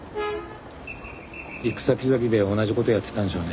行く先々で同じ事やってたんでしょうね。